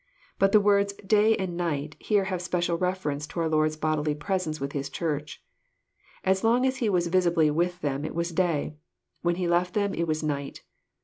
But the words "day and night " here have a special reference to our Lord's bodily presence with His Church. As long as He was visibly with them it was " day." When He left them it was " night."